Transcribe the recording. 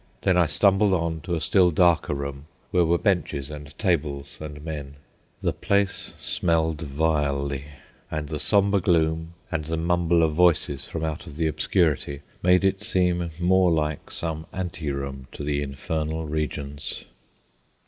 Then I stumbled on to a still darker room, where were benches and tables and men. The place smelled vilely, and the sombre gloom, and the mumble of voices from out of the obscurity, made it seem more like some anteroom to the infernal regions.